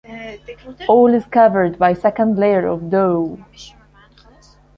All is covered by second layer of dough.